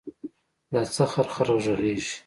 دا څه خرخر غږېږې.